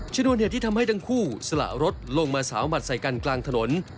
ชนวนเหตุที่ทำให้ทั้งคู่สละรถลงมาสาวหมัดใส่กันกลางถนน